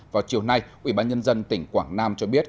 vào chiều nay ubnd tỉnh quảng nam cho biết